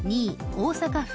大阪府